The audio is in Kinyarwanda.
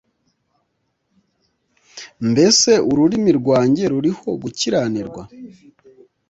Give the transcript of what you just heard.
mbese ururimi rwanjye ruriho gukiranirwa